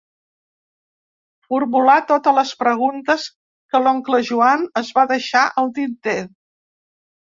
Formular totes les preguntes que l'oncle Joan es va deixar al tinter.